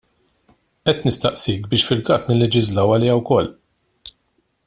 Qed nistaqsik biex fil-każ nilleġislaw għaliha wkoll.